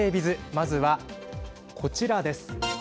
まずはこちらです。